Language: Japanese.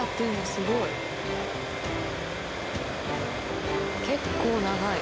すごい！結構長い。